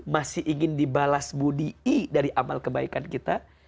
masih ingin dibalas budi'i dari amal kebaikan kita